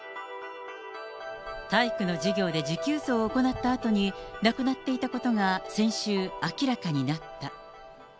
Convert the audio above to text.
体育の授業で持久走を行ったあとに亡くなっていたことが先週、明らかになった。